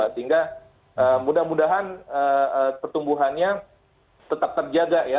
sehingga mudah mudahan pertumbuhannya tetap terjaga ya